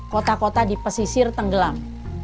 kota kota dipesisir tenggelam